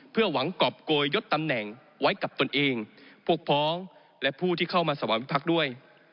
เพื่อหวังกรอบโกยยดตำแหน่งไว้กับตนเองพวกพ้องและผู้ที่เข้ามาสวรรวิพักษ์ด้วย